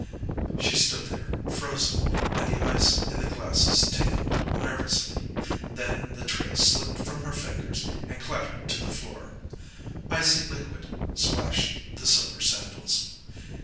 She stood there frozen, and the ice in the glasses tinkled nervously. Then the tray slipped from her fingers and clattered to the floor. Icy liquid splashed the silver sandals.